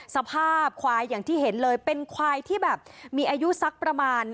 สภาพควายอย่างที่เห็นเลยเป็นควายที่แบบมีอายุสักประมาณ